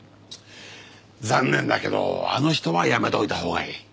残念だけどあの人はやめといたほうがいい。